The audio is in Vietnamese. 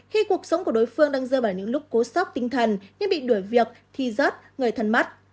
khi cuộc sống của đối phương đang rơi vào những lúc cố sóc tinh thần như bị đuổi việc thi rớt người thân mắt